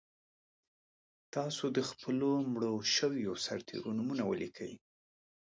تاسو د خپلو مړو شویو سرتېرو نومونه ولیکئ.